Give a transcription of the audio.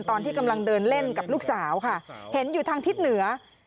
ตอนที่กำลังเดินเล่นกับลูกสาวค่ะเห็นอยู่ทางทิศเหนือ